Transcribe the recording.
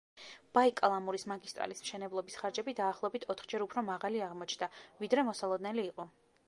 ბაიკალ-ამურის მაგისტრალის მშენებლობის ხარჯები დაახლოებით ოთხჯერ უფრო მაღალი აღმოჩნდა, ვიდრე მოსალოდნელი იყო.